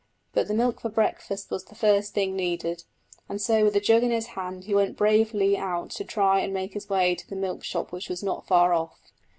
But the milk for breakfast was the first thing needed, and so with a jug in his hand he went bravely out to try and make his way to the milk shop which was not far off.